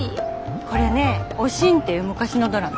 これね「おしん」っていう昔のドラマ。